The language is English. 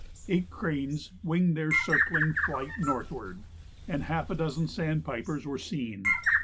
Eight cranes "winged their circling flight" northward, and half a dozen sandpipers were seen.